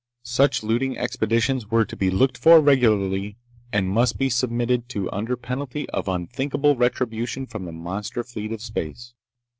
Such looting expeditions were to be looked for regularly and must be submitted to under penalty of unthinkable retribution from the monster fleet of space.